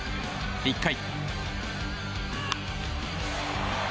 １回。